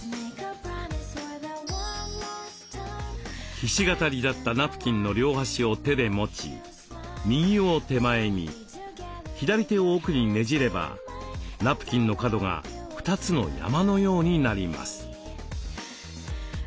ひし形になったナプキンの両端を手で持ち右を手前に左手を奥にねじればナプキンの角が２つの山のようになります。